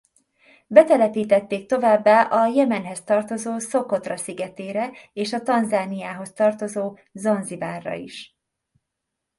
Betelepítették továbbá a Jemenhez tartozó Szokotra szigetére és a Tanzániához tartozó Zanzibárra is.